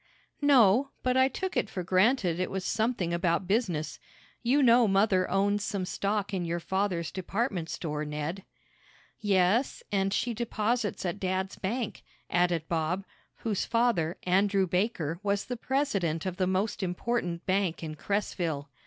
"No, but I took it for granted it was something about business. You know mother owns some stock in your father's department store, Ned." "Yes, and she deposits at dad's bank," added Bob, whose father, Andrew Baker, was the president of the most important bank in Cresville.